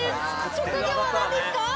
職業は何ですか？